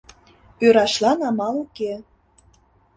Ӧрашлан амал уке